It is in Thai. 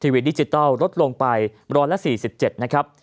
วีดิจิทัลลดลงไป๑๔๗นะครับ